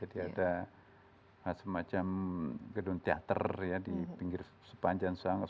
jadi ada semacam gedung teater ya di pinggir sepanjang sungai